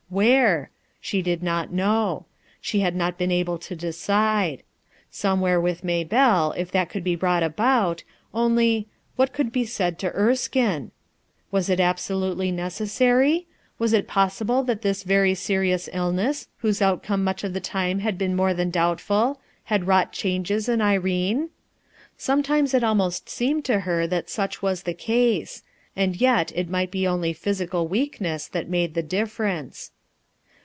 Where? She did not know; she had not been able to decide. Some where with Maybeile, if that could be brought about; only — What could be said to Ersldne? Was it absolutely necessary? Was it pos sible that this very serious illness, whose outcome much of the time had been more than doubtful, had wrought changes in Irene ? Sometimes it A STRANGE CHANGE 339 I wst seemed to her that such was the case; d yet it might be only physical weakness that m ade the difference.